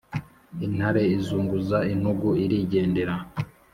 intare izunguza intugu irigendera.